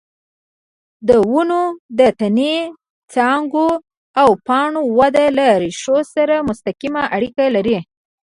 د ونو د تنې، څانګو او پاڼو وده له ریښو سره مستقیمه اړیکه لري.